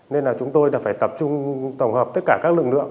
nên là chúng tôi phải tập trung tổng hợp tất cả các lực lượng